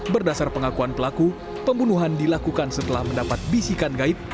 berdasar pengakuan pelaku pembunuhan dilakukan setelah mendapat bisikan gaib